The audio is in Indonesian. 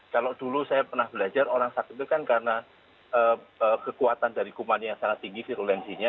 kalau dulu saya pernah belajar orang sakit itu kan karena kekuatan dari kuman yang sangat tinggi virulensinya